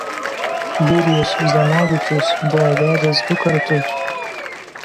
Jurijus Zenovičius buvo vedęs du kartus.